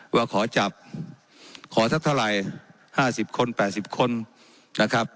ว่าขอจับขอทักเท่าไรห้าสิบคนแปดสิบคนนะครับ